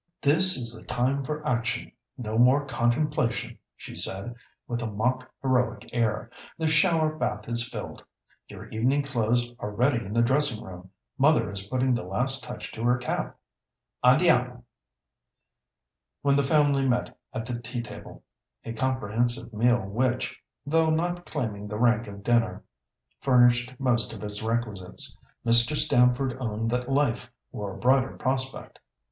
"This is the time for action, no more contemplation," she said, with a mock heroic air; "the shower bath is filled; your evening clothes are ready in the dressing room; mother is putting the last touch to her cap, Andiamo!" When the family met at the tea table—a comprehensive meal which, though not claiming the rank of dinner, furnished most of its requisites—Mr. Stamford owned that life wore a brighter prospect.